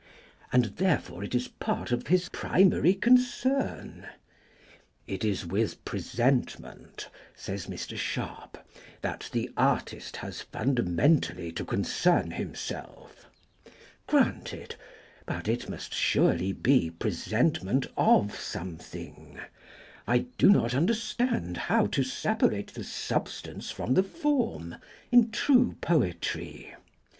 And therefore it is part of his "primary concern". "It is with presentment," says Mr. Sharp, "that the artist has fundamentally to concern himself." Granted: but it must surely be presentment of something. ... I do not understand how to separate the substance from the form in true poetry. ..